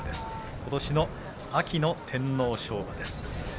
ことしの秋の天皇賞馬です。